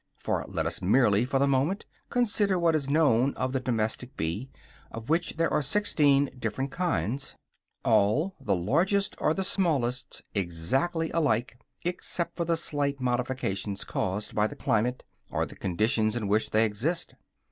But let us merely, for the moment, consider what is known as the domestic bee, of which there are sixteen different kinds, all, the largest as the smallest, exactly alike, except for the slight modifications caused by the climate or the conditions in which they exist.